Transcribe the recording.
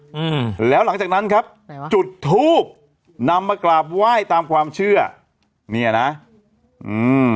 อืมแล้วหลังจากนั้นครับไหนวะจุดทูบนำมากราบไหว้ตามความเชื่อเนี่ยนะอืม